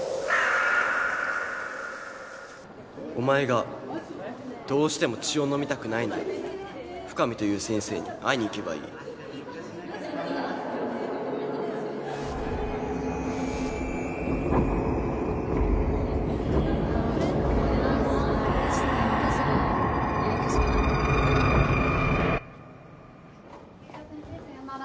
お前がどうしても血を飲みたくないなら深水という先生に会いに行けばいい先生さようなら。